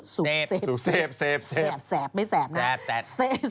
สูกเสพแสบแสบไม่แสบนะแสบ